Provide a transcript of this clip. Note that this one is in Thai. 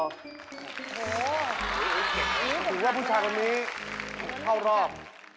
ถือว่าผู้ชายคนนี้เข้ารอบ